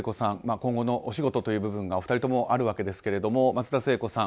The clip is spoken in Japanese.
今後のお仕事という部分がお二人ともあるわけですが松田聖子さん